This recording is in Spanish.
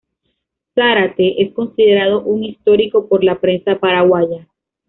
Zárate es considerado un 'histórico' por la prensa paraguaya.